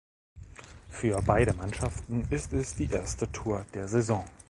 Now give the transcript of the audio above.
Für beide Mannschaften ist es die erste Tour der Saison.